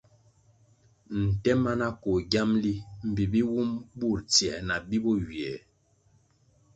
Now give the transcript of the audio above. Nte mana koh giamli mbpi bi wum bur tsier na bi bo ywiè.